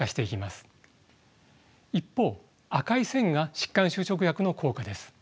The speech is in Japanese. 一方赤い線が疾患修飾薬の効果です。